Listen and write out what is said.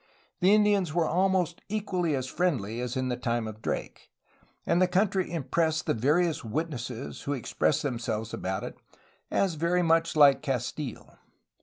The Indians were almost equally as friendly as in the time of Drake, and the country impressed the various witnesses who expressed themselves about it as very much like Castile.